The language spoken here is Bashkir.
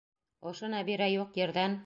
Ошо Нәбирә юҡ ерҙән...